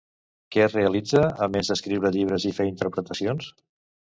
Què realitza, a més d'escriure llibres i fer interpretacions?